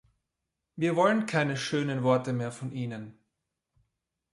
Wir wollen keine schönen Worte mehr von Ihnen.